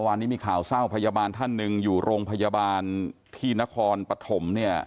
วันนี้มีข่าวเศร้าพยาบาลท่านหนึ่งอยู่โรงพยาบาลที่นครปฐมเนี่ย